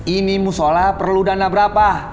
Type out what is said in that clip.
ini musola perlu dana berapa